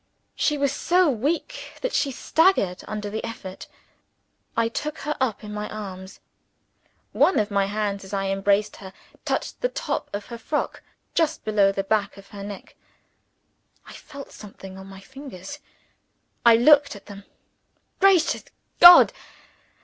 She was so weak that she staggered under the effort. I took her up in my arms. One of my hands, as I embraced her, touched the top of her frock, just below the back of her neck. I felt something on my fingers. I looked at them. Gracious God!